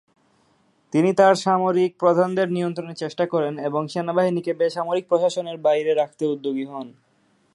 তিনি তার সামরিক প্রধানদের নিয়ন্ত্রণের চেষ্টা করেন এবং সেনাবাহিনীকে বেসামরিক প্রশাসনের বাইরে রাখতে উদ্যোগী হন।